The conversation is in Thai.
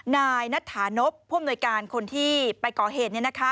นายนัทธานพผู้อำนวยการคนที่ไปก่อเหตุ